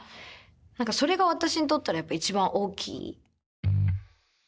それが私にとったらやっぱ一番大きい。